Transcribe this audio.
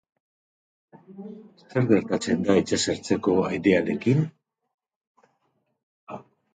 Zer gertatzen da itsasertzeko airearekin?